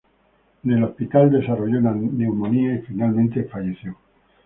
En el hospital desarrolló una neumonía, y finalmente falleció.